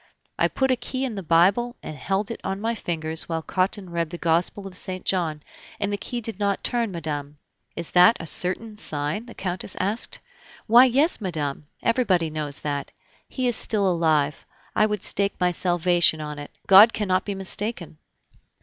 "I put a key in the Bible and held it on my fingers while Cottin read the Gospel of St. John, and the key did not turn, madame." "Is that a certain sign?" the Countess asked. "Why, yes, madame! everybody knows that. He is still alive; I would stake my salvation on it; God cannot be mistaken."